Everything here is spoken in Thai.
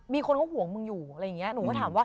มีคนเขาห่วงมึงอยู่อะไรอย่างเงี้ย